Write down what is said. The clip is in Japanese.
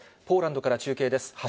ポーランドから中継です。